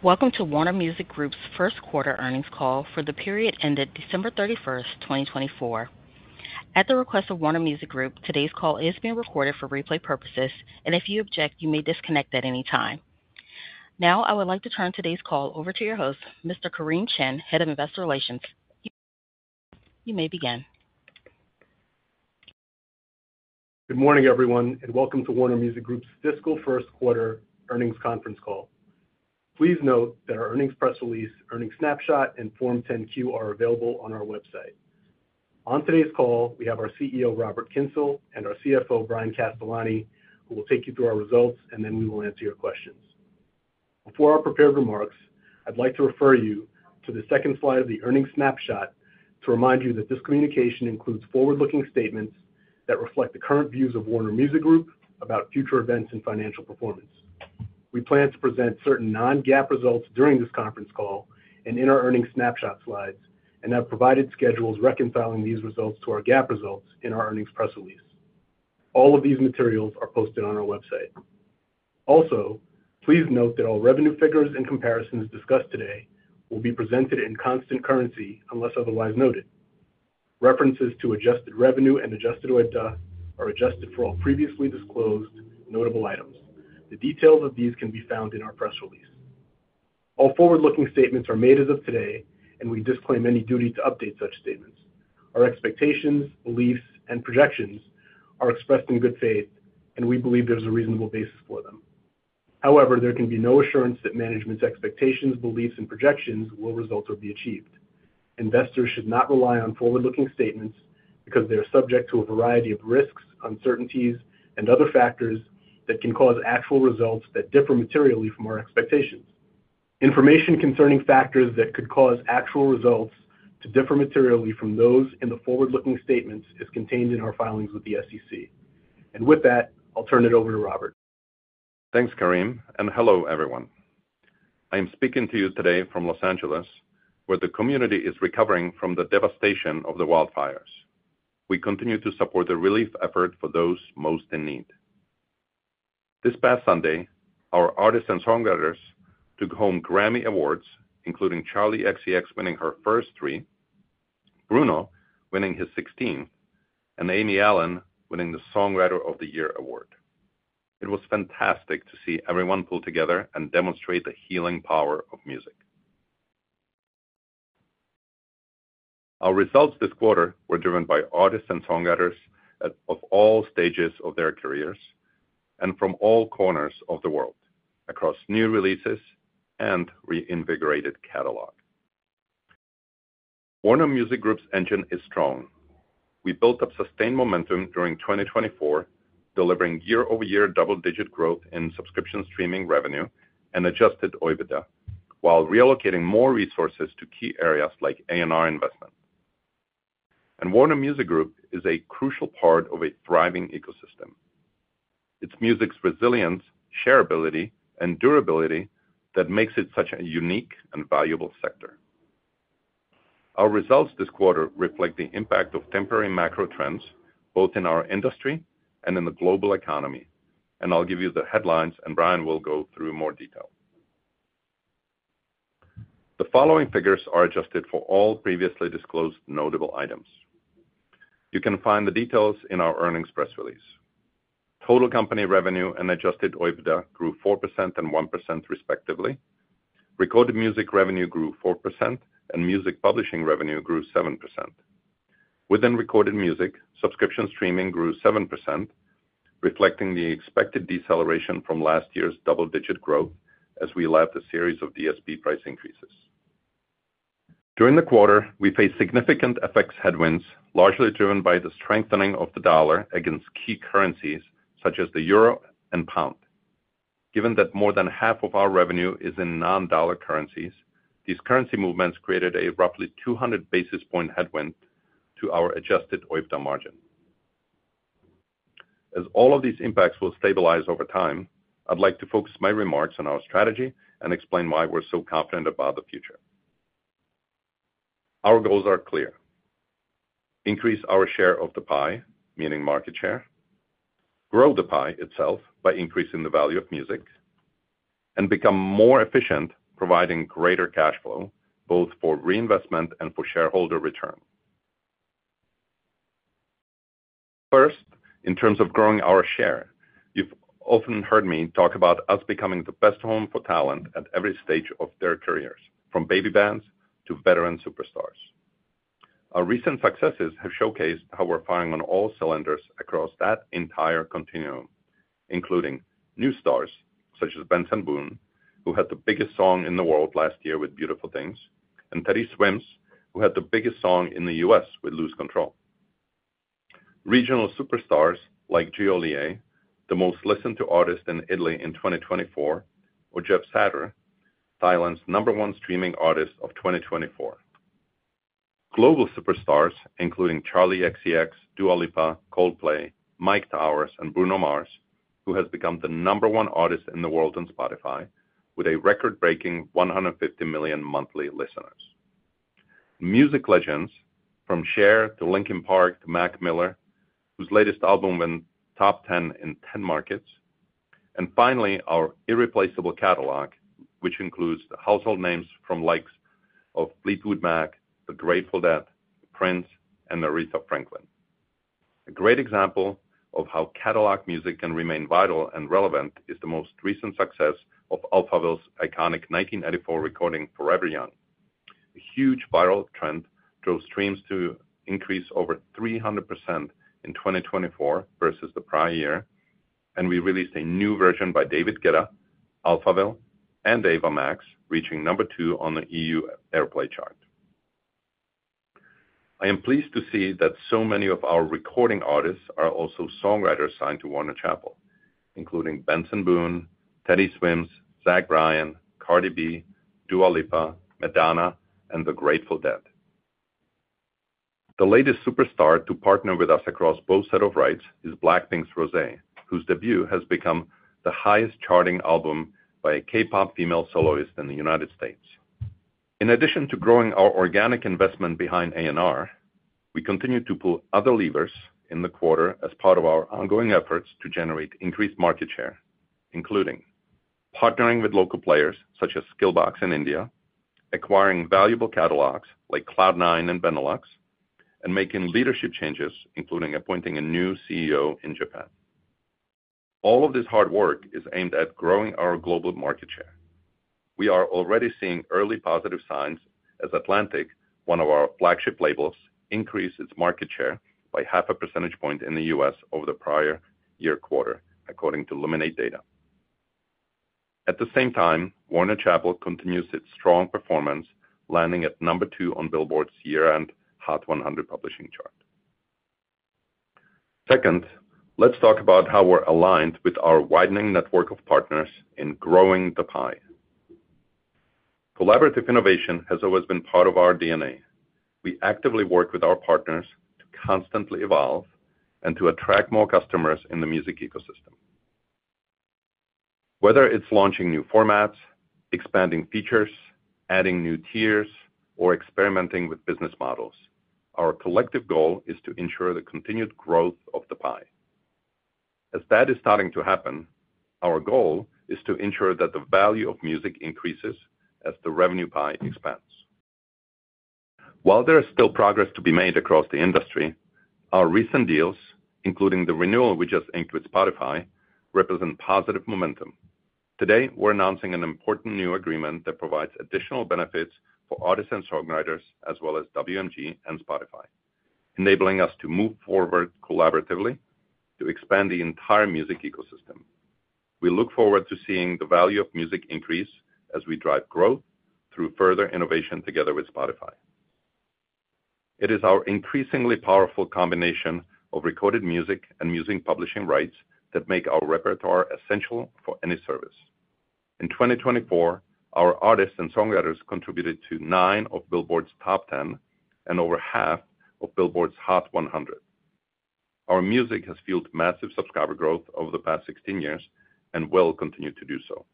Welcome to Warner Music Group's first quarter earnings call for the period ended December 31st, 2024. At the request of Warner Music Group, today's call is being recorded for replay purposes, and if you object, you may disconnect at any time. Now, I would like to turn today's call over to your host, Mr. Kareem Chin, head of investor relations. You may begin. Good morning, everyone, and welcome to Warner Music Group's fiscal first quarter earnings conference call. Please note that our earnings press release, earnings snapshot, and Form 10-Q are available on our website. On today's call, we have our CEO, Robert Kyncl, and our CFO, Bryan Castellani, who will take you through our results, and then we will answer your questions. Before our prepared remarks, I'd like to refer you to the second slide of the earnings snapshot to remind you that this communication includes forward-looking statements that reflect the current views of Warner Music Group about future events and financial performance. We plan to present certain non-GAAP results during this conference call and in our earnings snapshot slides and have provided schedules reconciling these results to our GAAP results in our earnings press release. All of these materials are posted on our website. Also, please note that all revenue figures and comparisons discussed today will be presented in constant currency unless otherwise noted. References to adjusted revenue and adjusted EBITDA are adjusted for all previously disclosed notable items. The details of these can be found in our press release. All forward-looking statements are made as of today, and we disclaim any duty to update such statements. Our expectations, beliefs, and projections are expressed in good faith, and we believe there's a reasonable basis for them. However, there can be no assurance that management's expectations, beliefs, and projections will result or be achieved. Investors should not rely on forward-looking statements because they are subject to a variety of risks, uncertainties, and other factors that can cause actual results that differ materially from our expectations. Information concerning factors that could cause actual results to differ materially from those in the forward-looking statements is contained in our filings with the SEC. And with that, I'll turn it over to Robert. Thanks, Kareem, and hello, everyone. I am speaking to you today from Los Angeles, where the community is recovering from the devastation of the wildfires. We continue to support the relief effort for those most in need. This past Sunday, our artists and songwriters took home Grammy Awards, including Charli xcx winning her first three, Bruno winning his 16th, and Amy Allen winning the Songwriter of the Year award. It was fantastic to see everyone pull together and demonstrate the healing power of music. Our results this quarter were driven by artists and songwriters of all stages of their careers and from all corners of the world across new releases and reinvigorated catalog. Warner Music Group's engine is strong. We built up sustained momentum during 2024, delivering year-over-year double-digit growth in subscription streaming revenue and Adjusted EBITDA, while relocating more resources to key areas like A&R investment. Warner Music Group is a crucial part of a thriving ecosystem. It's music's resilience, shareability, and durability that makes it such a unique and valuable sector. Our results this quarter reflect the impact of temporary macro trends both in our industry and in the global economy. I'll give you the headlines, and Bryan will go through more detail. The following figures are adjusted for all previously disclosed notable items. You can find the details in our earnings press release. Total company revenue and Adjusted EBITDA grew 4% and 1%, respectively. Recorded music revenue grew 4%, and music publishing revenue grew 7%. Within recorded music, subscription streaming grew 7%, reflecting the expected deceleration from last year's double-digit growth as we left a series of DSP price increases. During the quarter, we faced significant FX headwinds, largely driven by the strengthening of the dollar against key currencies such as the euro and pound. Given that more than half of our revenue is in non-dollar currencies, these currency movements created a roughly 200 basis point headwind to our Adjusted EBITDA margin. As all of these impacts will stabilize over time, I'd like to focus my remarks on our strategy and explain why we're so confident about the future. Our goals are clear: increase our share of the pie, meaning market share, grow the pie itself by increasing the value of music, and become more efficient, providing greater cash flow both for reinvestment and for shareholder return. First, in terms of growing our share, you've often heard me talk about us becoming the best home for talent at every stage of their careers, from baby bands to veteran superstars. Our recent successes have showcased how we're firing on all cylinders across that entire continuum, including new stars such as Benson Boone, who had the biggest song in the world last year with "Beautiful Things," and Teddy Swims, who had the biggest song in the U.S. with "Lose Control." Regional superstars like Geolier, the most listened-to artist in Italy in 2024, or Jeff Satur, Thailand's number one streaming artist of 2024. Global superstars, including Charli xcx, Dua Lipa, Coldplay, Myke Towers, and Bruno Mars, who has become the number one artist in the world on Spotify with a record-breaking 150 million monthly listeners. Music legends, from Cher to Linkin Park to Mac Miller, whose latest album went top 10 in 10 markets. And finally, our irreplaceable catalog, which includes the household names from likes of Fleetwood Mac, The Grateful Dead, Prince, and Aretha Franklin. A great example of how catalog music can remain vital and relevant is the most recent success of Alphaville's iconic 1984 recording, "Forever Young." A huge viral trend drove streams to increase over 300% in 2024 versus the prior year, and we released a new version by David Guetta, Alphaville, and Ava Max, reaching number two on the EU Airplay chart. I am pleased to see that so many of our recording artists are also songwriters signed to Warner Chappell, including Benson Boone, Teddy Swims, Zach Bryan, Cardi B, Dua Lipa, Madonna, and The Grateful Dead. The latest superstar to partner with us across both sets of rights is Blackpink's Rosé, whose debut has become the highest-charting album by a K-pop female soloist in the United States. In addition to growing our organic investment behind A&R, we continue to pull other levers in the quarter as part of our ongoing efforts to generate increased market share, including partnering with local players such as Skillbox in India, acquiring valuable catalogs like Cloud 9 in Benelux, and making leadership changes, including appointing a new CEO in Japan. All of this hard work is aimed at growing our global market share. We are already seeing early positive signs as Atlantic, one of our flagship labels, increased its market share by half a percentage point in the U.S. over the prior year quarter, according to Luminate data. At the same time, Warner Chappell continues its strong performance, landing at number two on Billboard's year-end Hot 100 publishing chart. Second, let's talk about how we're aligned with our widening network of partners in growing the pie. Collaborative innovation has always been part of our DNA. We actively work with our partners to constantly evolve and to attract more customers in the music ecosystem. Whether it's launching new formats, expanding features, adding new tiers, or experimenting with business models, our collective goal is to ensure the continued growth of the pie. As that is starting to happen, our goal is to ensure that the value of music increases as the revenue pie expands. While there is still progress to be made across the industry, our recent deals, including the renewal we just inked with Spotify, represent positive momentum. Today, we're announcing an important new agreement that provides additional benefits for artists and songwriters as well as WMG and Spotify, enabling us to move forward collaboratively to expand the entire music ecosystem. We look forward to seeing the value of music increase as we drive growth through further innovation together with Spotify. It is our increasingly powerful combination of recorded music and music publishing rights that make our repertoire essential for any service. In 2024, our artists and songwriters contributed to nine of Billboard's top 10 and over half of Billboard's Hot 100. Our music has fueled massive subscriber growth over the past 16 years and will continue to do so.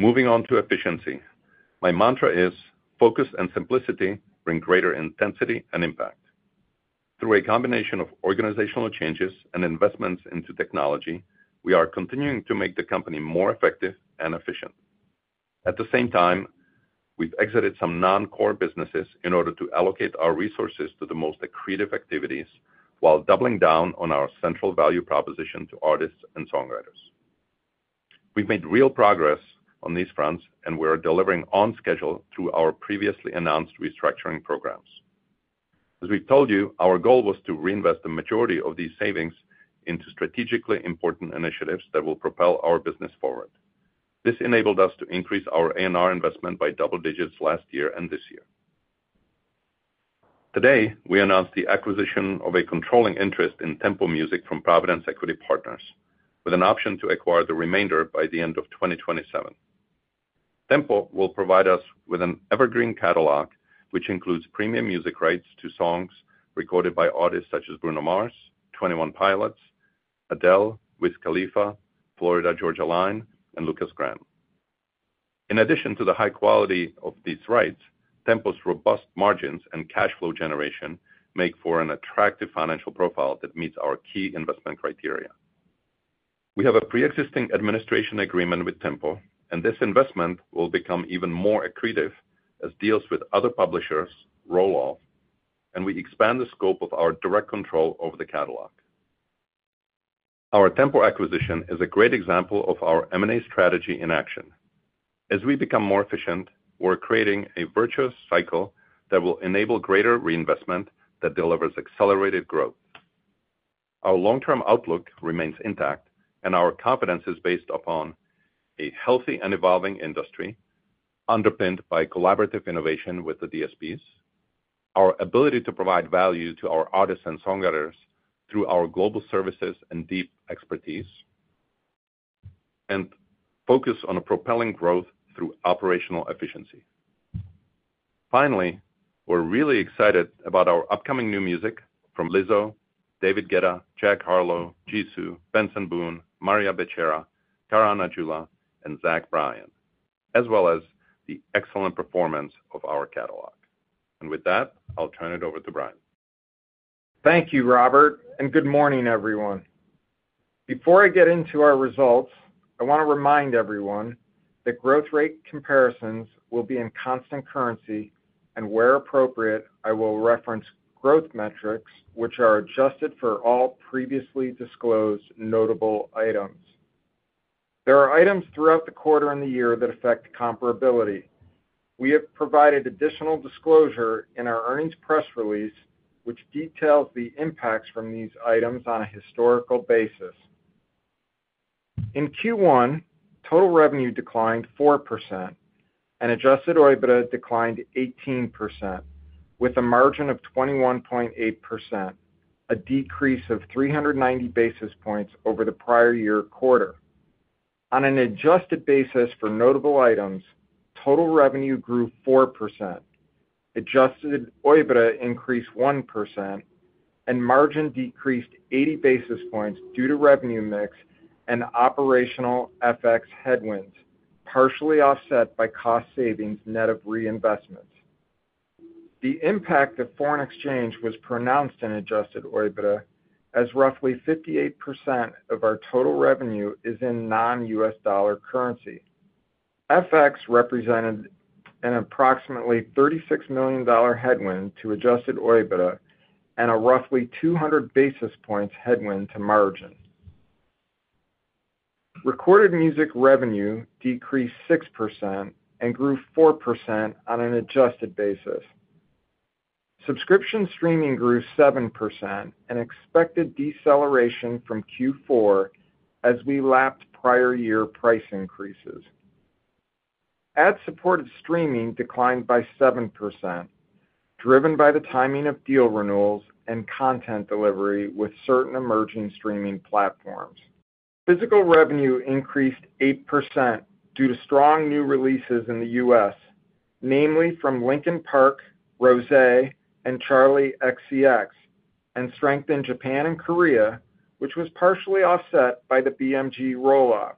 Moving on to efficiency, my mantra is focus and simplicity bring greater intensity and impact. Through a combination of organizational changes and investments into technology, we are continuing to make the company more effective and efficient. At the same time, we've exited some non-core businesses in order to allocate our resources to the most accretive activities while doubling down on our central value proposition to artists and songwriters. We've made real progress on these fronts, and we are delivering on schedule through our previously announced restructuring programs. As we've told you, our goal was to reinvest the majority of these savings into strategically important initiatives that will propel our business forward. This enabled us to increase our A&R investment by double digits last year and this year. Today, we announced the acquisition of a controlling interest in Tempo Music from Providence Equity Partners, with an option to acquire the remainder by the end of 2027. Tempo will provide us with an evergreen catalog, which includes premium music rights to songs recorded by artists such as Bruno Mars, Twenty One Pilots, Adele, Wiz Khalifa, Florida Georgia Line, and Lukas Graham. In addition to the high quality of these rights, Tempo's robust margins and cash flow generation make for an attractive financial profile that meets our key investment criteria. We have a pre-existing administration agreement with Tempo, and this investment will become even more accretive as deals with other publishers roll off, and we expand the scope of our direct control over the catalog. Our Tempo acquisition is a great example of our M&A strategy in action. As we become more efficient, we're creating a virtuous cycle that will enable greater reinvestment that delivers accelerated growth. Our long-term outlook remains intact, and our confidence is based upon a healthy and evolving industry underpinned by collaborative innovation with the DSPs, our ability to provide value to our artists and songwriters through our global services and deep expertise, and focus on propelling growth through operational efficiency. Finally, we're really excited about our upcoming new music from Lizzo, David Guetta, Jack Harlow, Jisoo, Benson Boone, Maria Becerra, Karan Aujla, and Zach Bryan, as well as the excellent performance of our catalog. With that, I'll turn it over to Bryan. Thank you, Robert, and good morning, everyone. Before I get into our results, I want to remind everyone that growth rate comparisons will be in constant currency, and where appropriate, I will reference growth metrics, which are adjusted for all previously disclosed notable items. There are items throughout the quarter and the year that affect comparability. We have provided additional disclosure in our earnings press release, which details the impacts from these items on a historical basis. In Q1, total revenue declined 4%, and Adjusted EBITDA declined 18%, with a margin of 21.8%, a decrease of 390 basis points over the prior year quarter. On an adjusted basis for notable items, total revenue grew 4%, Adjusted EBITDA increased 1%, and margin decreased 80 basis points due to revenue mix and operational FX headwinds, partially offset by cost savings net of reinvestments. The impact of foreign exchange was pronounced in Adjusted EBITDA, as roughly 58% of our total revenue is in non-US dollar currency. FX represented an approximately $36 million headwind to Adjusted EBITDA and a roughly 200 basis points headwind to margin. Recorded music revenue decreased 6% and grew 4% on an adjusted basis. Subscription streaming grew 7%, an expected deceleration from Q4 as we lapped prior year price increases. Ad-supported streaming declined by 7%, driven by the timing of deal renewals and content delivery with certain emerging streaming platforms. Physical revenue increased 8% due to strong new releases in the U.S., namely from Linkin Park, Rosé, and Charli xcx, and strength in Japan and Korea, which was partially offset by the BMG roll off.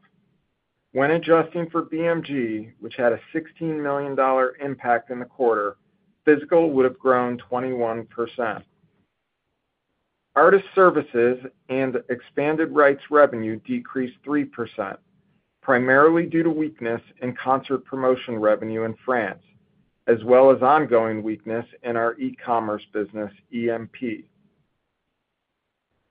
When adjusting for BMG, which had a $16 million impact in the quarter, physical would have grown 21%. Artist services and expanded rights revenue decreased 3%, primarily due to weakness in concert promotion revenue in France, as well as ongoing weakness in our e-commerce business, EMP.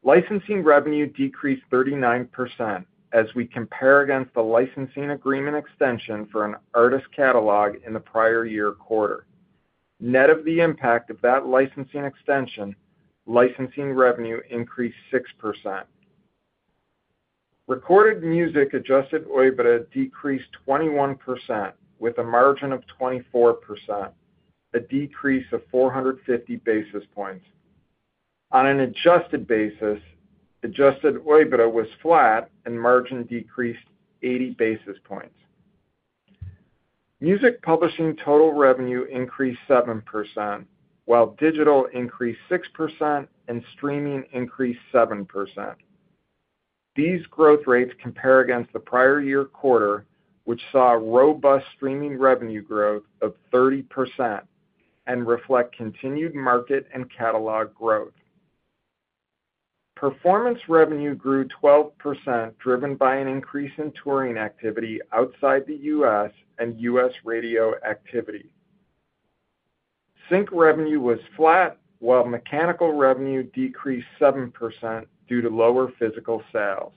Licensing revenue decreased 39% as we compare against the licensing agreement extension for an artist catalog in the prior year quarter. Net of the impact of that licensing extension, licensing revenue increased 6%. Recorded music adjusted EBITDA decreased 21% with a margin of 24%, a decrease of 450 basis points. On an adjusted basis, adjusted EBITDA was flat, and margin decreased 80 basis points. Music publishing total revenue increased 7%, while digital increased 6% and streaming increased 7%. These growth rates compare against the prior year quarter, which saw robust streaming revenue growth of 30%, and reflect continued market and catalog growth. Performance revenue grew 12%, driven by an increase in touring activity outside the U.S. and U.S. radio activity. Sync revenue was flat, while mechanical revenue decreased 7% due to lower physical sales.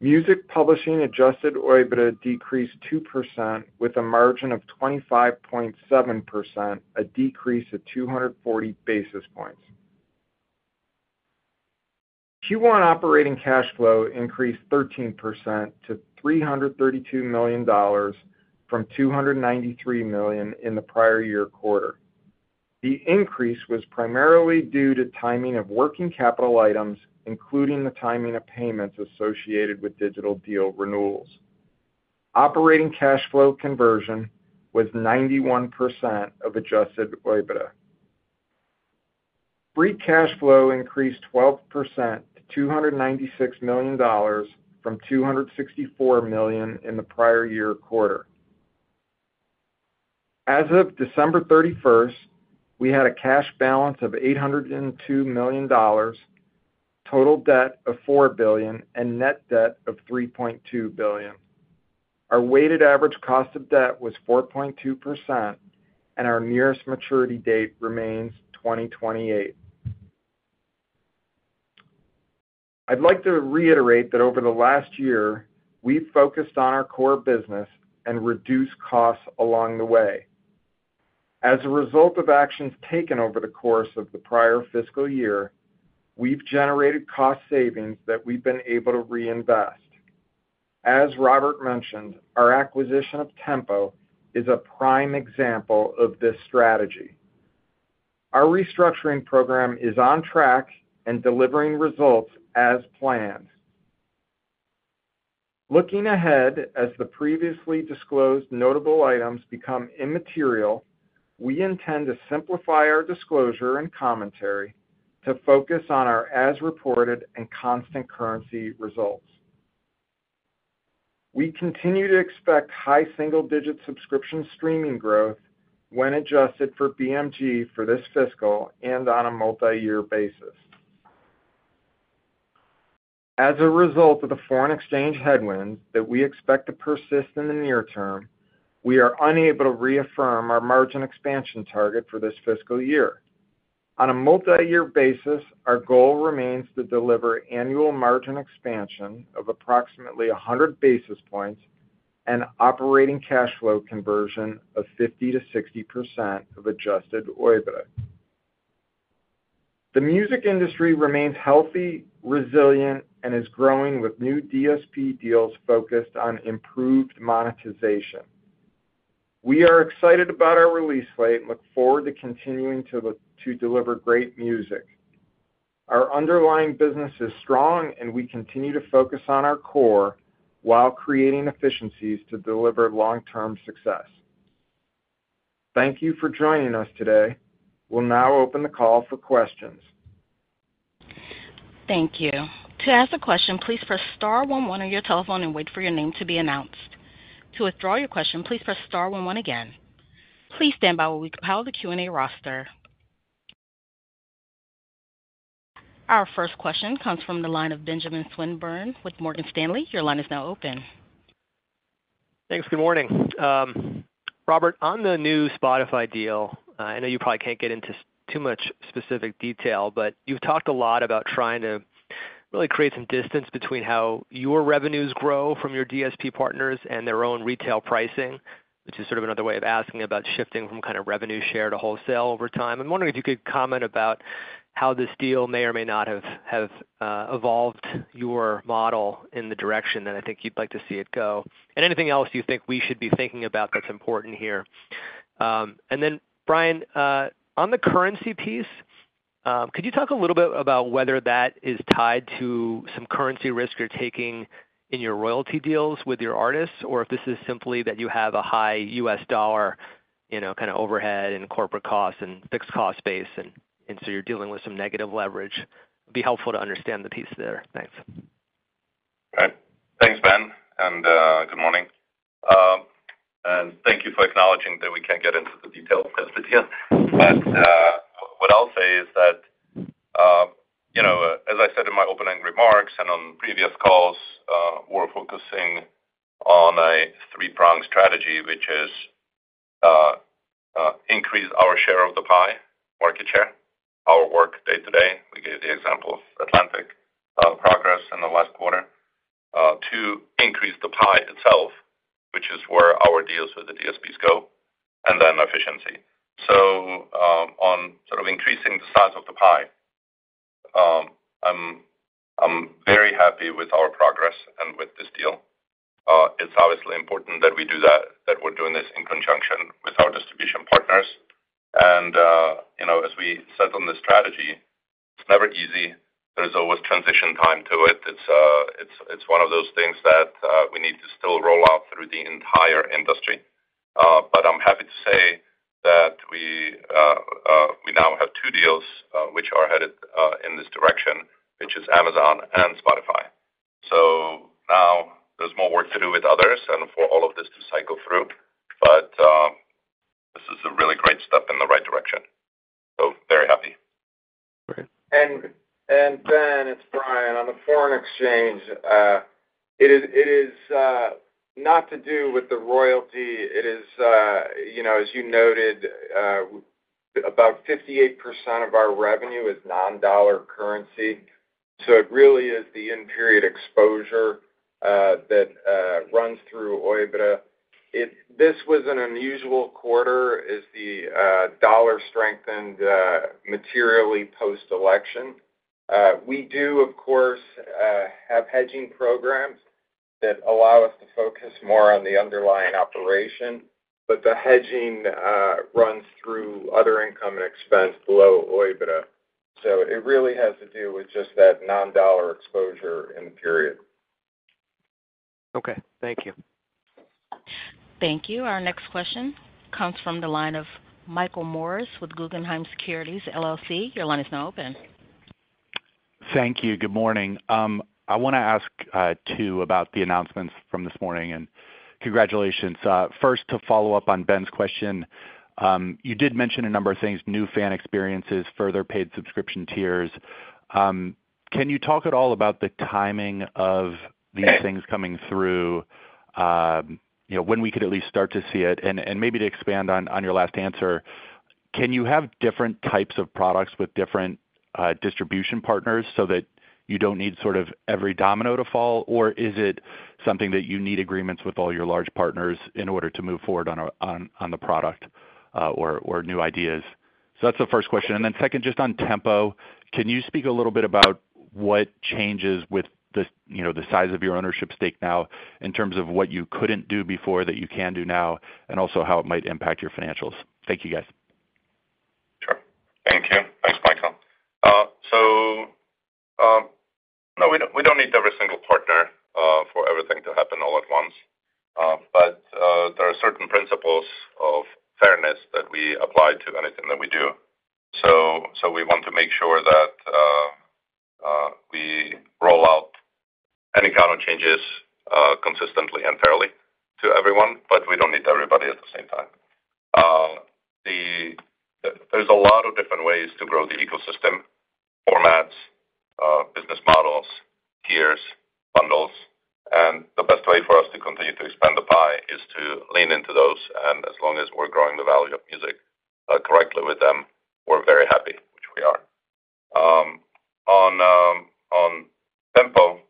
Music publishing adjusted EBITDA decreased 2% with a margin of 25.7%, a decrease of 240 basis points. Q1 operating cash flow increased 13% to $332 million from $293 million in the prior year quarter. The increase was primarily due to timing of working capital items, including the timing of payments associated with digital deal renewals. Operating cash flow conversion was 91% of adjusted EBITDA. Free cash flow increased 12% to $296 million from $264 million in the prior year quarter. As of December 31st, we had a cash balance of $802 million, total debt of $4 billion, and net debt of $3.2 billion. Our weighted average cost of debt was 4.2%, and our nearest maturity date remains 2028. I'd like to reiterate that over the last year, we've focused on our core business and reduced costs along the way. As a result of actions taken over the course of the prior fiscal year, we've generated cost savings that we've been able to reinvest. As Robert mentioned, our acquisition of Tempo is a prime example of this strategy. Our restructuring program is on track and delivering results as planned. Looking ahead as the previously disclosed notable items become immaterial, we intend to simplify our disclosure and commentary to focus on our as-reported and constant currency results. We continue to expect high single-digit subscription streaming growth when adjusted for BMG for this fiscal and on a multi-year basis. As a result of the foreign exchange headwinds that we expect to persist in the near term, we are unable to reaffirm our margin expansion target for this fiscal year. On a multi-year basis, our goal remains to deliver annual margin expansion of approximately 100 basis points and operating cash flow conversion of 50%-60% of Adjusted EBITDA. The music industry remains healthy, resilient, and is growing with new DSP deals focused on improved monetization. We are excited about our release slate and look forward to continuing to deliver great music. Our underlying business is strong, and we continue to focus on our core while creating efficiencies to deliver long-term success. Thank you for joining us today. We'll now open the call for questions. Thank you. To ask a question, please press star 11 on your telephone and wait for your name to be announced. To withdraw your question, please press star 11 again. Please stand by while we compile the Q&A roster. Our first question comes from the line of Benjamin Swinburne with Morgan Stanley. Your line is now open. Thanks. Good morning. Robert, on the new Spotify deal, I know you probably can't get into too much specific detail, but you've talked a lot about trying to really create some distance between how your revenues grow from your DSP partners and their own retail pricing, which is sort of another way of asking about shifting from kind of revenue share to wholesale over time. I'm wondering if you could comment about how this deal may or may not have evolved your model in the direction that I think you'd like to see it go, and anything else you think we should be thinking about that's important here. And then, Bryan, on the currency piece, could you talk a little bit about whether that is tied to some currency risk you're taking in your royalty deals with your artists, or if this is simply that you have a high U.S. dollar kind of overhead and corporate costs and fixed cost space, and so you're dealing with some negative leverage? It'd be helpful to understand the piece there. Thanks. Okay. Thanks, Ben, and good morning. And thank you for acknowledging that we can't get into the details of this deal. But what I'll say is that, as I said in my opening remarks and on previous calls, we're focusing on a three-prong strategy, which is increase our share of the pie, market share, our work day-to-day. We gave the example of Atlantic progress in the last quarter. To increase the pie itself, which is where our deals with the DSPs go, and then efficiency. So on sort of increasing the size of the pie, I'm very happy with our progress and with this deal. It's obviously important that we do that, that we're doing this in conjunction with our distribution partners. And as we settle on this strategy, it's never easy. There's always transition time to it. It's one of those things that we need to still roll out through the entire industry. But I'm happy to say that we now have two deals which are headed in this direction, which is Amazon and Spotify. So now there's more work to do with others and for all of this to cycle through. But this is really great stuff in the right direction. So very happy. Great, and Ben, it's Bryan. On the foreign exchange, it is not to do with the royalty. It is, as you noted, about 58% of our revenue is non-dollar currency, so it really is the in-period exposure that runs through EBITDA. This was an unusual quarter as the dollar strengthened materially post-election. We do, of course, have hedging programs that allow us to focus more on the underlying operation, but the hedging runs through other income and expense below EBITDA, so it really has to do with just that non-dollar exposure in the period. Okay. Thank you. Thank you. Our next question comes from the line of Michael Morris with Guggenheim Securities, LLC. Your line is now open. Thank you. Good morning. I want to ask too about the announcements from this morning, and congratulations. First, to follow up on Ben's question, you did mention a number of things: new fan experiences, further paid subscription tiers. Can you talk at all about the timing of these things coming through, when we could at least start to see it? And maybe to expand on your last answer, can you have different types of products with different distribution partners so that you don't need sort of every domino to fall, or is it something that you need agreements with all your large partners in order to move forward on the product or new ideas? So that's the first question. And then second, just on Tempo, can you speak a little bit about what changes with the size of your ownership stake now in terms of what you couldn't do before that you can do now, and also how it might impact your financials? Thank you, guys. Sure. Thank you. Thanks, Michael. So no, we don't need every single partner for everything to happen all at once. But there are certain principles of fairness that we apply to anything that we do. So we want to make sure that we roll out any kind of changes consistently and fairly to everyone, but we don't need everybody at the same time. There's a lot of different ways to grow the ecosystem: formats, business models, tiers, bundles. And the best way for us to continue to expand the pie is to lean into those. And as long as we're growing the value of music correctly with them, we're very happy, which we are. On Tempo,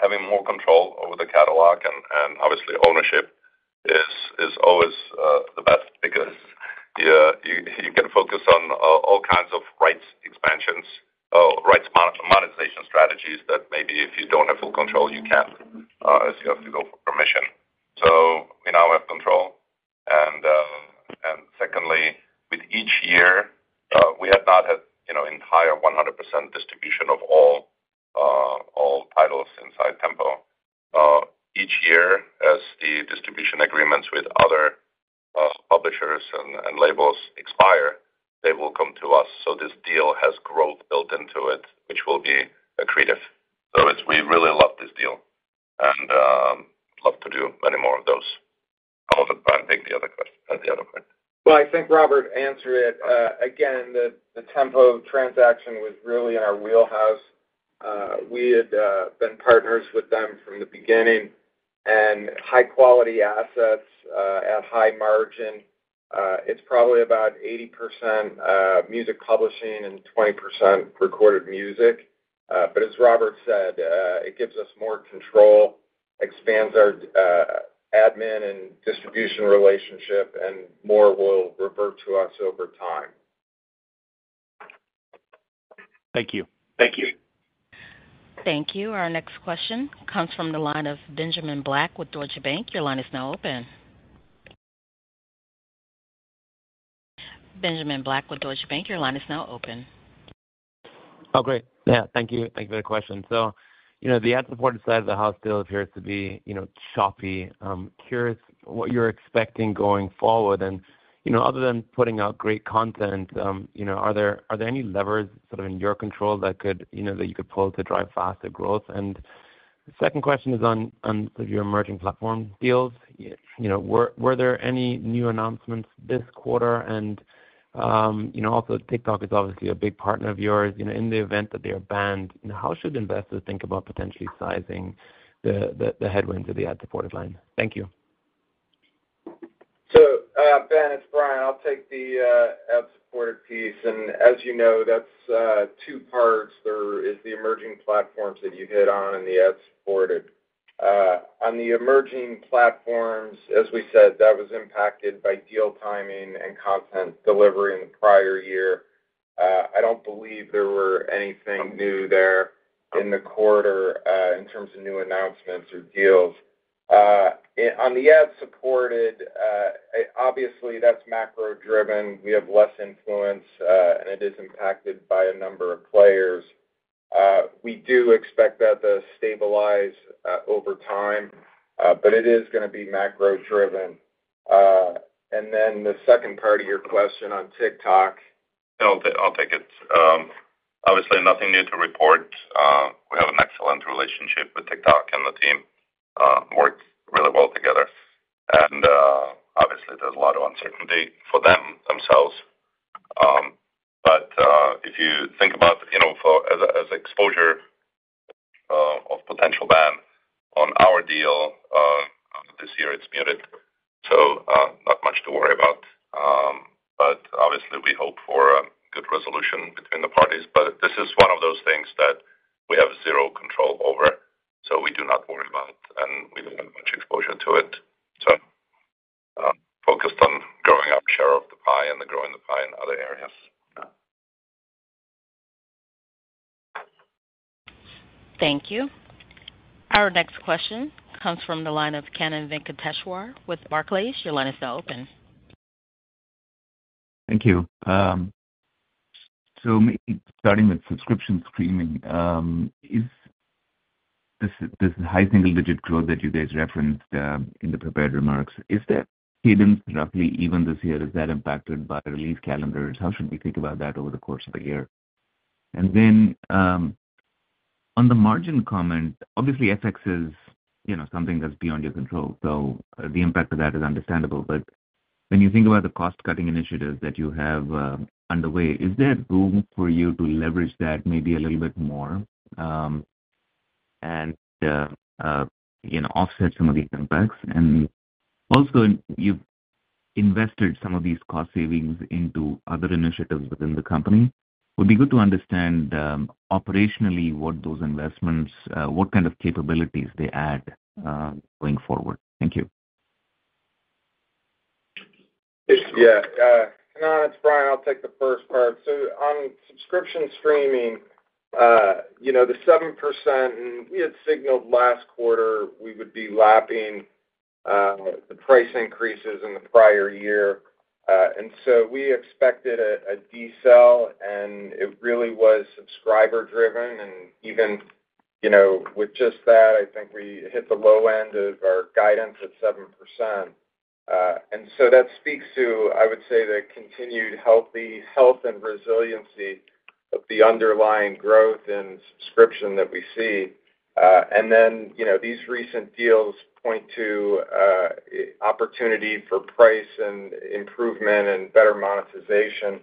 having more control over the catalog and obviously ownership is always the best because you can focus on all kinds of rights expansions, rights monetization strategies that maybe if you don't have full control, you can't, as you have to go for permission. So we now have control. And secondly, with each year, we have not had entire 100% distribution of all titles inside Tempo. Each year, as the distribution agreements with other publishers and labels expire, they will come to us. So this deal has growth built into it, which will be accretive. So we really love this deal and love to do many more of those. I want to try and take the other question at the other point. I think Robert answered it. Again, the Tempo transaction was really in our wheelhouse. We had been partners with them from the beginning, and high-quality assets at high margin. It's probably about 80% music publishing and 20% recorded music. As Robert said, it gives us more control, expands our admin and distribution relationship, and more will revert to us over time. Thank you. Thank you. Thank you. Our next question comes from the line of Benjamin Black with Deutsche Bank. Your line is now open. Benjamin Black with Deutsche Bank, your line is now open. Oh, great. Yeah. Thank you. Thank you for the question. So the ad-supported side of the house still appears to be choppy. Curious what you're expecting going forward. And other than putting out great content, are there any levers sort of in your control that you could pull to drive faster growth? And the second question is on your emerging platform deals. Were there any new announcements this quarter? And also, TikTok is obviously a big partner of yours. In the event that they are banned, how should investors think about potentially sizing the headwinds of the ad-supported line? Thank you. So, Ben, it's Bryan. I'll take the ad-supported piece. And as you know, that's two parts. There is the emerging platforms that you hit on and the ad-supported. On the emerging platforms, as we said, that was impacted by deal timing and content delivery in the prior year. I don't believe there were anything new there in the quarter in terms of new announcements or deals. On the ad-supported, obviously, that's macro-driven. We have less influence, and it is impacted by a number of players. We do expect that to stabilize over time, but it is going to be macro-driven. And then the second part of your question on TikTok. I'll take it. Obviously, nothing new to report. We have an excellent relationship with TikTok and the team. We work really well together. Obviously, there's a lot of uncertainty for them themselves. But if you think about our exposure of potential ban on our deal this year, it's muted. So not much to worry about. But obviously, we hope for a good resolution between the parties. But this is one of those things that we have zero control over. So we do not worry about it, and we don't have much exposure to it. So focused on growing our share of the pie and growing the pie in other areas. Thank you. Our next question comes from the line of Kannan Venkateshwar with Barclays. Your line is now open. Thank you. So starting with subscription streaming, this high single-digit growth that you guys referenced in the prepared remarks, is that cadence roughly even this year? Is that impacted by release calendars? How should we think about that over the course of the year? And then on the margin comment, obviously, FX is something that's beyond your control. So the impact of that is understandable. But when you think about the cost-cutting initiatives that you have underway, is there room for you to leverage that maybe a little bit more and offset some of these impacts? And also, you've invested some of these cost savings into other initiatives within the company. It would be good to understand operationally what those investments, what kind of capabilities they add going forward. Thank you. Yeah. No, it's Bryan. I'll take the first part, so on subscription streaming, the 7%, and we had signaled last quarter we would be lapping the price increases in the prior year. And so we expected a decel, and it really was subscriber-driven. And even with just that, I think we hit the low end of our guidance at 7%. And so that speaks to, I would say, the continued health and resiliency of the underlying growth in subscription that we see. And then these recent deals point to opportunity for price and improvement and better monetization,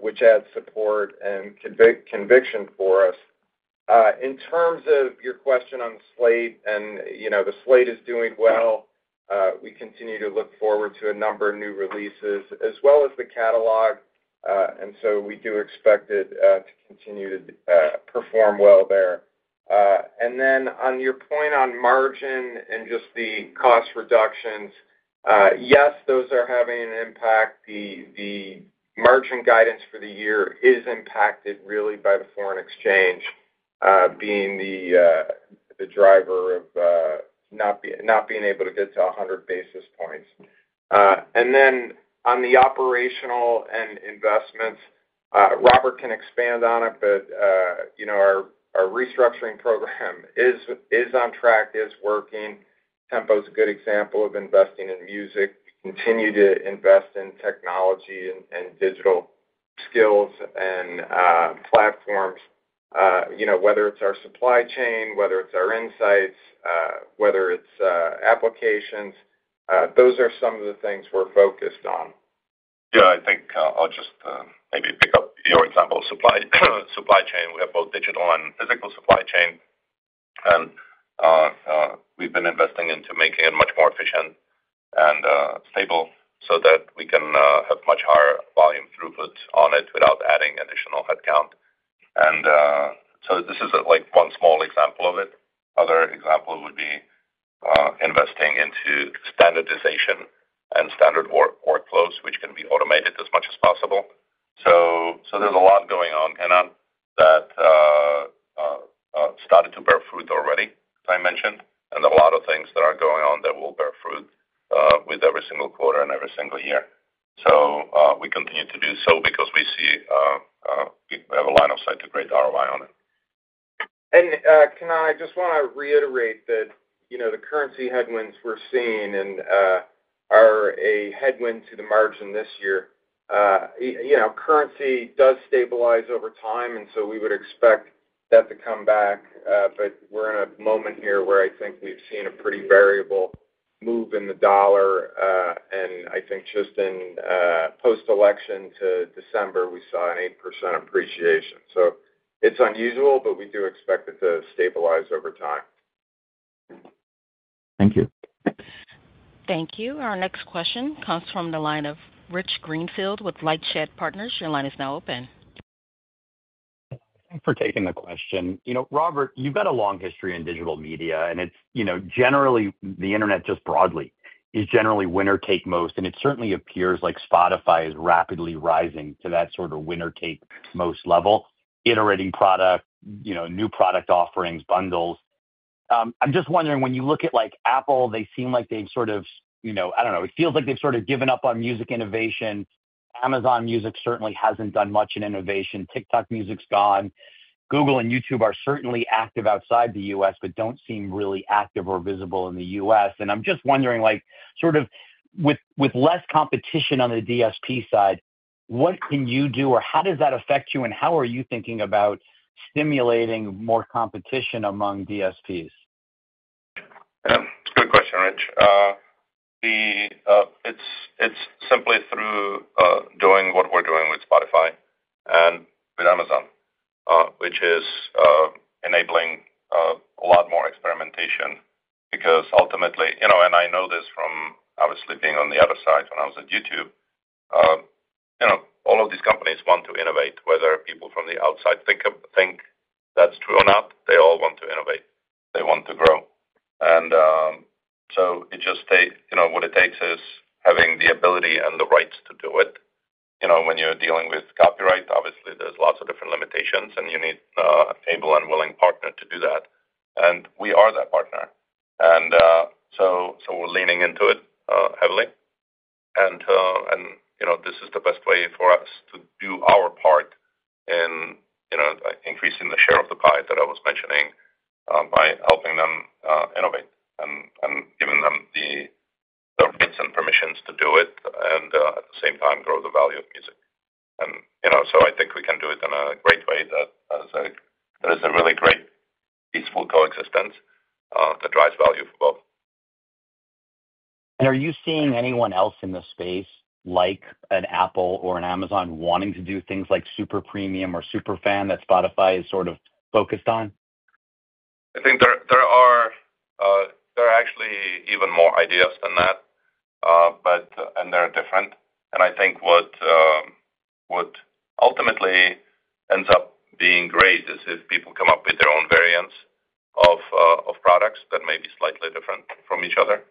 which adds support and conviction for us. In terms of your question on the slate, and the slate is doing well. We continue to look forward to a number of new releases as well as the catalog. And so we do expect it to continue to perform well there. And then on your point on margin and just the cost reductions, yes, those are having an impact. The margin guidance for the year is impacted really by the foreign exchange being the driver of not being able to get to 100 basis points. And then on the operational and investments, Robert can expand on it, but our restructuring program is on track, is working. Tempo is a good example of investing in music. We continue to invest in technology and digital skills and platforms, whether it's our supply chain, whether it's our insights, whether it's applications. Those are some of the things we're focused on. Yeah. I think I'll just maybe pick up your example of supply chain. We have both digital and physical supply chain. And we've been investing into making it much more efficient and stable so that we can have much higher volume throughput on it without adding additional headcount. And so this is one small example of it. Other example would be investing into standardization and standard workflows, which can be automated as much as possible. So there's a lot going on. And that started to bear fruit already, as I mentioned, and a lot of things that are going on that will bear fruit with every single quarter and every single year. So we continue to do so because we see we have a line of sight to great ROI on it. And Kannan, I just want to reiterate that the currency headwinds we're seeing are a headwind to the margin this year. Currency does stabilize over time, and so we would expect that to come back. But we're in a moment here where I think we've seen a pretty variable move in the dollar. And I think just in post-election to December, we saw an 8% appreciation. So it's unusual, but we do expect it to stabilize over time. Thank you. Thank you. Our next question comes from the line of Rich Greenfield with LightShed Partners. Your line is now open. Thanks for taking the question. Robert, you've got a long history in digital media, and generally, the internet just broadly is generally winner-take-most. And it certainly appears like Spotify is rapidly rising to that sort of winner-take-most level, iterating product, new product offerings, bundles. I'm just wondering, when you look at Apple, they seem like they've sort of, I don't know, it feels like they've sort of given up on music innovation. Amazon Music certainly hasn't done much in innovation. TikTok Music's gone. Google and YouTube are certainly active outside the U.S., but don't seem really active or visible in the U.S. And I'm just wondering, sort of with less competition on the DSP side, what can you do, or how does that affect you, and how are you thinking about stimulating more competition among DSPs? Yeah. It's a good question, Rich. It's simply through doing what we're doing with Spotify and with Amazon, which is enabling a lot more experimentation because ultimately, and I know this from obviously being on the other side when I was at YouTube, all of these companies want to innovate. Whether people from the outside think that's true or not, they all want to innovate. They want to grow. And so it just takes what it takes is having the ability and the rights to do it. When you're dealing with copyright, obviously, there's lots of different limitations, and you need an able and willing partner to do that. And we are that partner. And so we're leaning into it heavily. This is the best way for us to do our part in increasing the share of the pie that I was mentioning by helping them innovate and giving them the rights and permissions to do it, and at the same time, grow the value of music. I think we can do it in a great way that there is a really great, peaceful coexistence that drives value for both. Are you seeing anyone else in the space like an Apple or an Amazon wanting to do things like super premium or super fan that Spotify is sort of focused on? I think there are actually even more ideas than that, and they're different, and I think what ultimately ends up being great is if people come up with their own variants of products that may be slightly different from each other,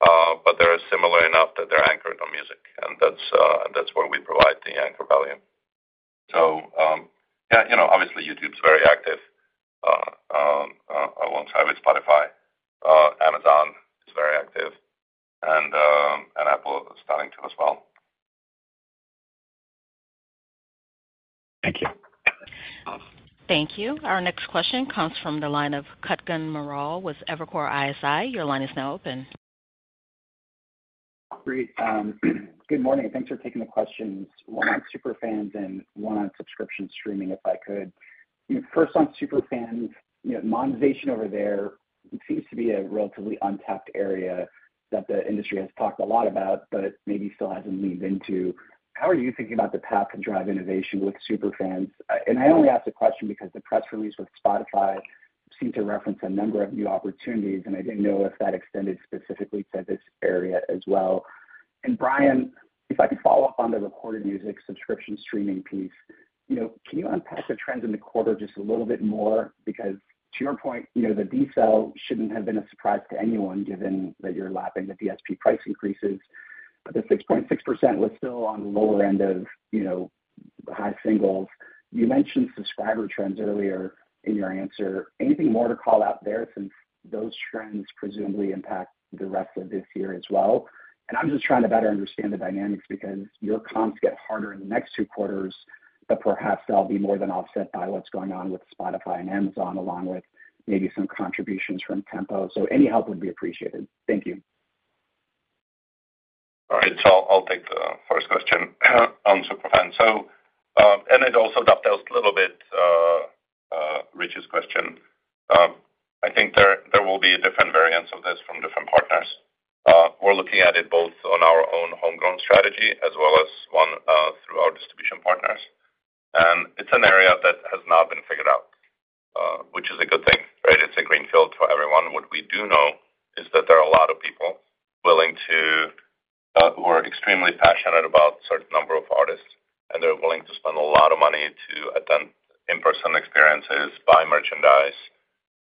but they're similar enough that they're anchored on music, and that's where we provide the anchor value, so yeah, obviously, YouTube's very active alongside with Spotify. Amazon is very active, and Apple is starting to as well. Thank you. Thank you. Our next question comes from the line of Kutgun Maral with Evercore ISI. Your line is now open. Great. Good morning. Thanks for taking the questions. One on super fans and one on subscription streaming, if I could. First, on super fans, monetization over there seems to be a relatively untapped area that the industry has talked a lot about, but maybe still hasn't leaned into. How are you thinking about the path to drive innovation with super fans? And I only asked the question because the press release with Spotify seemed to reference a number of new opportunities, and I didn't know if that extended specifically to this area as well. And Bryan, if I could follow up on the recorded music subscription streaming piece, can you unpack the trends in the quarter just a little bit more? Because to your point, the decel shouldn't have been a surprise to anyone given that you're lapping the DSP price increases. But the 6.6% was still on the lower end of high singles. You mentioned subscriber trends earlier in your answer. Anything more to call out there since those trends presumably impact the rest of this year as well? And I'm just trying to better understand the dynamics because your comps get harder in the next two quarters, but perhaps they'll be more than offset by what's going on with Spotify and Amazon, along with maybe some contributions from Tempo. So any help would be appreciated. Thank you. All right. So I'll take the first question on super fans, and it also dovetails a little bit with Rich's question. I think there will be different variants of this from different partners. We're looking at it both on our own homegrown strategy as well as one through our distribution partners, and it's an area that has not been figured out, which is a good thing, right? It's a greenfield for everyone. What we do know is that there are a lot of people willing, who are extremely passionate about a certain number of artists, and they're willing to spend a lot of money to attend in-person experiences, buy merchandise,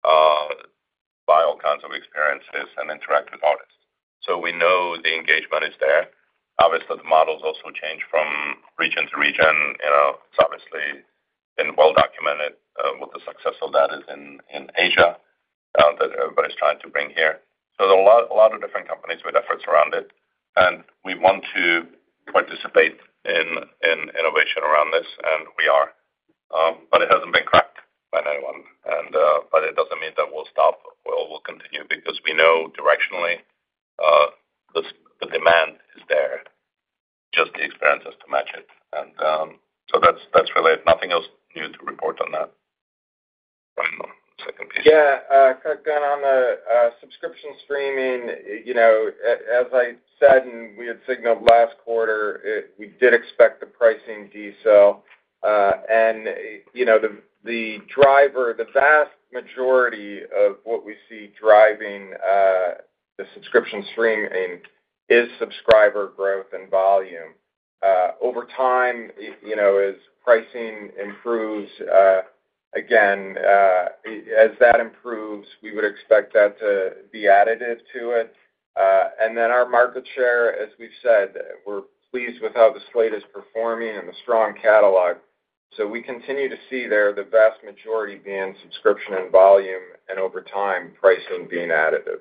buy all kinds of experiences, and interact with artists. So we know the engagement is there. Obviously, the models also change from region to region. It's obviously been well documented, what the success of that is in Asia, that everybody's trying to bring here. So there are a lot of different companies with efforts around it. And we want to participate in innovation around this, and we are. But it hasn't been cracked by anyone. But it doesn't mean that we'll stop or we'll continue because we know directionally the demand is there. Just the experience has to match it. And so that's really it. Nothing else new to report on that, on the second piece. Yeah. Kutgun, on the subscription streaming, as I said, and we had signaled last quarter, we did expect the pricing decel. And the driver, the vast majority of what we see driving the subscription streaming is subscriber growth and volume. Over time, as pricing improves, again, as that improves, we would expect that to be additive to it. And then our market share, as we've said, we're pleased with how the slate is performing and the strong catalog. So we continue to see there the vast majority being subscription and volume, and over time, pricing being additive.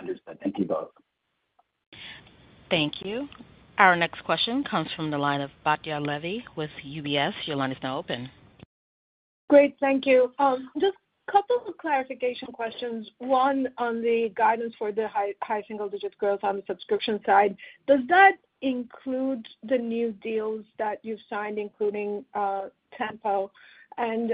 Understood. Thank you both. Thank you. Our next question comes from the line of Batya Levi with UBS. Your line is now open. Great. Thank you. Just a couple of clarification questions. One on the guidance for the high single-digit growth on the subscription side. Does that include the new deals that you've signed, including Tempo? And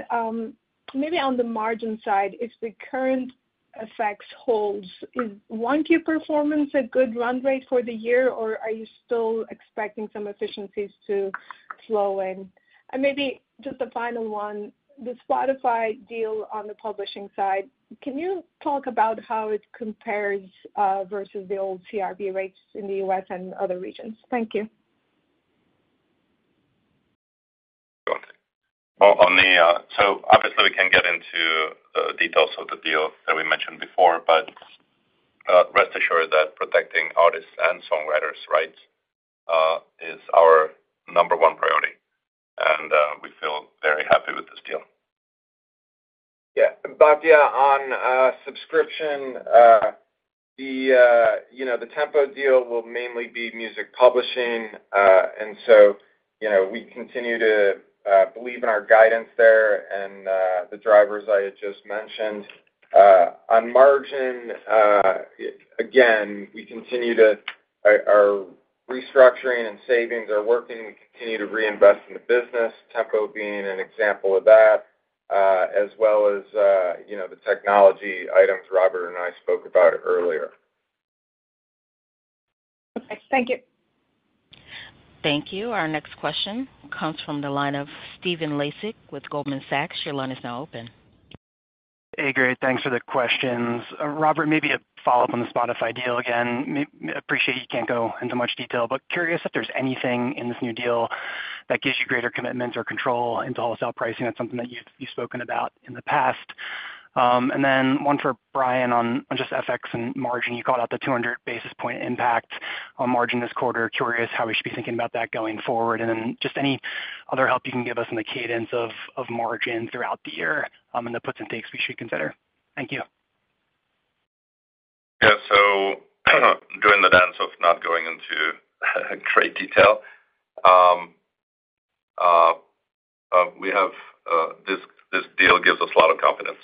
maybe on the margin side, if the current effects hold, is 1Q performance a good run rate for the year, or are you still expecting some efficiencies to flow in? And maybe just a final one, the Spotify deal on the publishing side, can you talk about how it compares versus the old CRB rates in the U.S. and other regions? Thank you. Got it. So obviously, we can’t get into the details of the deal that we mentioned before, but rest assured that protecting artists and songwriters' rights is our number one priority, and we feel very happy with this deal. Yeah. Batya, on subscription, the Tempo deal will mainly be music publishing, and so we continue to believe in our guidance there and the drivers I had just mentioned. On margin, again, we continue to our restructuring and savings are working. We continue to reinvest in the business, Tempo being an example of that, as well as the technology items Robert and I spoke about earlier. Okay. Thank you. Thank you. Our next question comes from the line of Stephen Laszczyk with Goldman Sachs. Your line is now open. Hey, great. Thanks for the questions. Robert, maybe a follow-up on the Spotify deal again. Appreciate you can't go into much detail, but curious if there's anything in this new deal that gives you greater commitment or control into wholesale pricing. That's something that you've spoken about in the past. And then one for Bryan on just FX and margin. You called out the 200 basis point impact on margin this quarter. Curious how we should be thinking about that going forward. And then just any other help you can give us in the cadence of margin throughout the year and the puts and takes we should consider. Thank you. Yeah. So doing the dance of not going into great detail, we have this deal gives us a lot of confidence.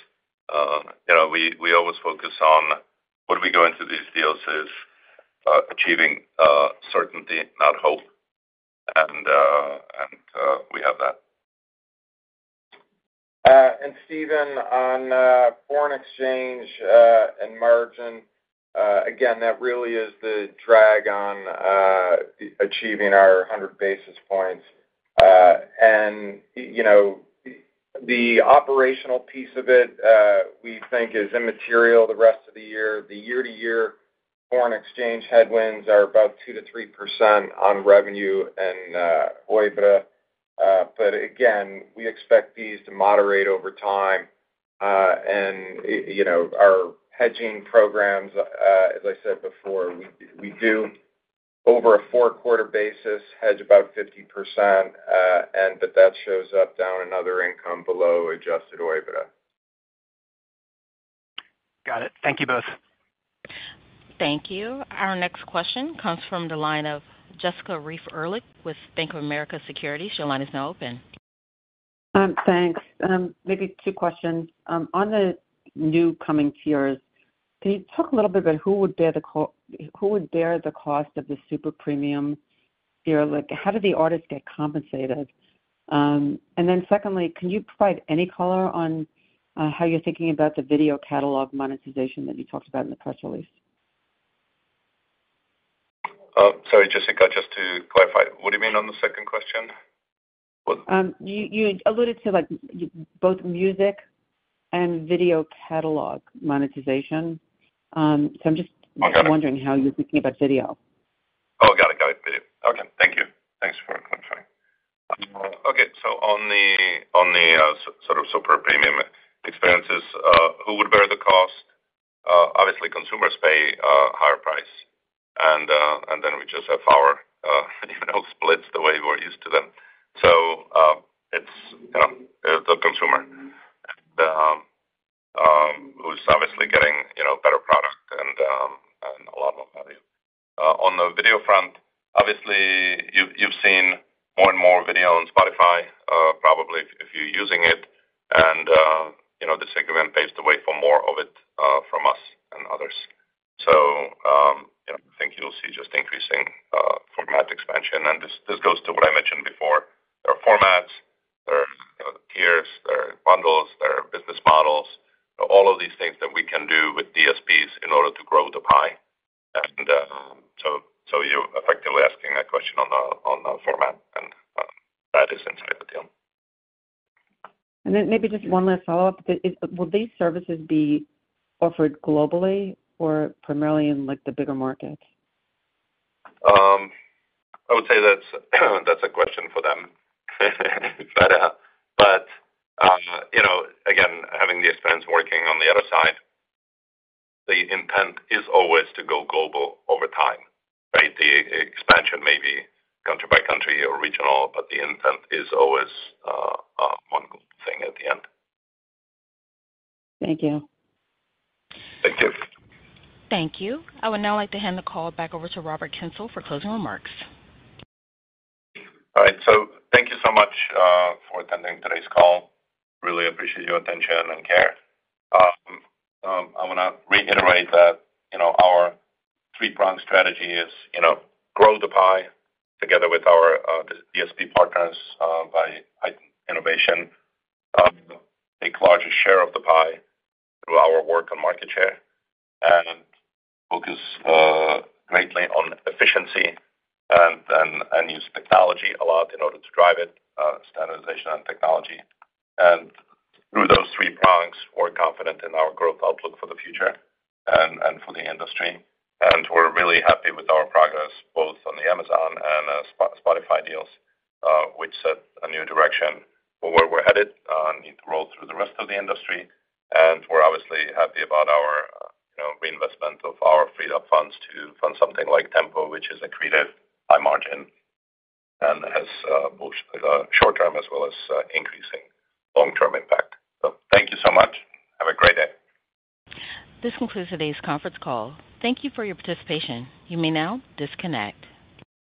We always focus on what we go into these deals is achieving certainty, not hope. And we have that. Steven, on foreign exchange and margin, again, that really is the drag on achieving our 100 basis points. The operational piece of it, we think, is immaterial the rest of the year. The year-to-year foreign exchange headwinds are about 2%-3% on revenue and EBITDA. Again, we expect these to moderate over time. Our hedging programs, as I said before, we do over a four-quarter basis hedge about 50%, but that shows up down in other income below adjusted EBITDA. Got it. Thank you both. Thank you. Our next question comes from the line of Jessica Reif Ehrlich with Bank of America Securities. Your line is now open. Thanks. Maybe two questions. On the newcoming tiers, can you talk a little bit about who would bear the cost of the super premium? How do the artists get compensated? And then secondly, can you provide any color on how you're thinking about the video catalog monetization that you talked about in the press release? Sorry, Jessica, just to clarify, what do you mean on the second question? You alluded to both music and video catalog monetization. So I'm just wondering how you're thinking about video? Oh, got it. Got it. Video. Okay. Thank you. Thanks for clarifying. Okay. So on the sort of super premium experiences, who would bear the cost? Obviously, consumers pay a higher price. And then we just have our splits the way we're used to them. So it's the consumer who's obviously getting better product and a lot more value. On the video front, obviously, you've seen more and more video on Spotify, probably if you're using it. And the segment paves the way for more of it from us and others. So I think you'll see just increasing format expansion. And this goes to what I mentioned before. There are formats, there are tiers, there are bundles, there are business models, all of these things that we can do with DSPs in order to grow the pie. And so you're effectively asking a question on the format, and that is inside the deal. Maybe just one last follow-up. Will these services be offered globally or primarily in the bigger markets? I would say that's a question for them. But again, having the experience working on the other side, the intent is always to go global over time, right? The expansion may be country by country or regional, but the intent is always one thing at the end. Thank you. Thank you. Thank you. I would now like to hand the call back over to Robert Kyncl for closing remarks. All right. So thank you so much for attending today's call. Really appreciate your attention and care. I want to reiterate that our three-prong strategy is grow the pie together with our DSP partners by innovation. Take the largest share of the pie through our work and market share. And focus greatly on efficiency and use technology a lot in order to drive it, standardization and technology. And through those three prongs, we're confident in our growth outlook for the future and for the industry. And we're really happy with our progress, both on the Amazon and Spotify deals, which set a new direction for where we're headed. Need to roll through the rest of the industry. And we're obviously happy about our reinvestment of our freed-up funds to fund something like Tempo, which is a accretive, high-margin, and has both a short-term as well as increasing long-term impact. So thank you so much. Have a great day. This concludes today's conference call. Thank you for your participation. You may now disconnect.